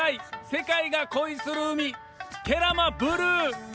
世界が恋する海、慶良間ブルー。